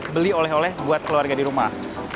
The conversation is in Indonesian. beli oleh oleh buat keluarga di rumah